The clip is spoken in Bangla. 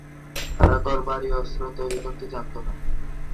তারা ঘরবাড়ি অস্ত্র তৈরি করতে জানতো না।